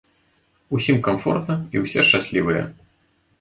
Усім камфортна і ўсе шчаслівыя.